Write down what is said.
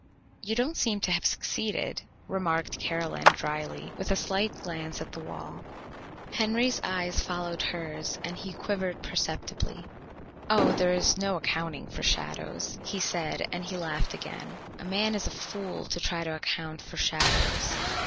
"You don't seem to have succeeded," remarked Caroline dryly, with a slight glance at the wall. Henry's eyes followed hers and he quivered perceptibly. "Oh, there is no accounting for shadows," he said, and he laughed again. "A man is a fool to try to account for shadows."